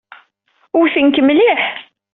Wten-k mliḥ.